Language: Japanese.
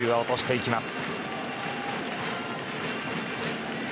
初球は落としていきます。